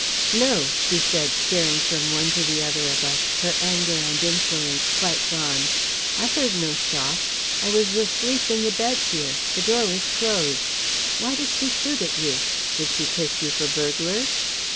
"No," she said, staring from one to the other of us, her anger and insolence quite gone. "I heard no shot. I was asleep in the bed here the door was closed. Why did she shoot at you? Did she take you for burglars?"